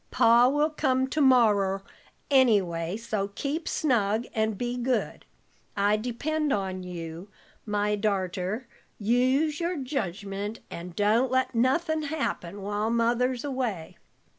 Pa will come to morrer, anyway, so keep snug and be good. I depend on you, my darter; use your jedgment, and don't let nothin' happen while Mother's away."